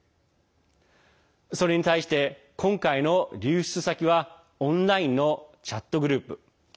それに対して、今回の流出先はオンラインのチャットグループ。